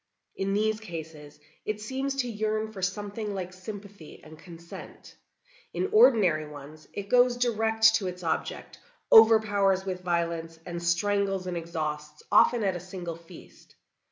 In these cases it seems to yearn for something like sympathy and consent. In ordinary ones it goes direct to its object, overpowers with violence, and strangles and exhausts often at a single feast.